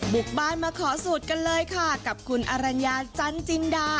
บุกบ้านมาขอสูตรกันเลยค่ะกับคุณอรัญญาจันจินดา